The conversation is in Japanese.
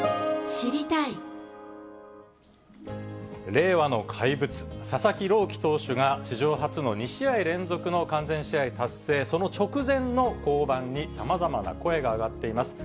令和の怪物、佐々木朗希投手が、史上初の２試合連続の完全試合達成、その直前の降板に、さまざまな声が上がっています。